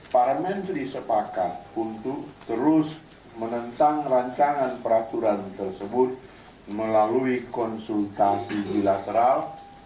para menteri sepakat untuk terus menentang rancangan peraturan tersebut melalui konsultasi bilateral